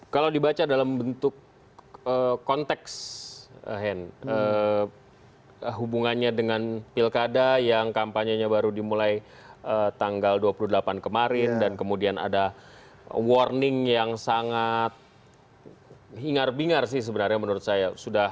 kalau dibaca dalam bentuk konteks hubungannya dengan pilkada yang kampanyenya baru dimulai tanggal dua puluh delapan kemarin dan kemudian ada warning yang sangat hingar bingar sih sebenarnya menurut saya